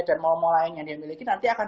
dan mall mall lain yang dia miliki nanti akan